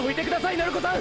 鳴子さん！！